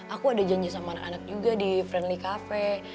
aku ada janji sama anak anak juga di friendly cafe